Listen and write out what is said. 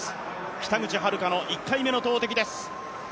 北口榛花の１回目の投てきです。